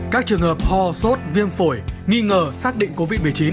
các trường hợp ho sốt viêm phổi nghi ngờ xác định covid một mươi chín